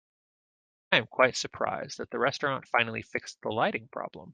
I am quite surprised that the restaurant finally fixed the lighting problem.